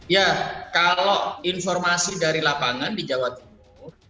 ya kalau informasi dari lapangan di jawa timur